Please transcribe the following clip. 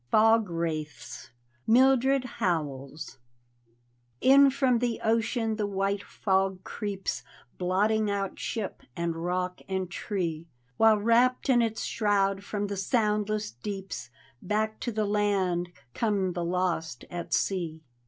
FOG WRAITHS : mildrbd howells In from the ocean the white fog creeps. Blotting out ship, and rock, and tree. While wrapped in its shroud, from the soundless deeps. Back to the land come the lost at sea.